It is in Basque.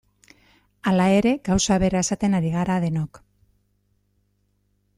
Hala ere, gauza bera esaten ari gara denok.